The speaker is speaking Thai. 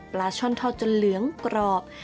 ช่อนทอดจนเหลืองกรอบ